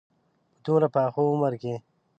په دومره پاخه عمر کې.